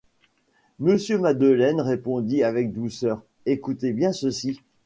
Monsieur Madeleine répondit avec douceur: — Écoutez bien ceci.